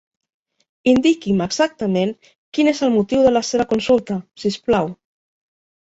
Indiqui'm exactament quin és el motiu de la seva consulta, si us plau.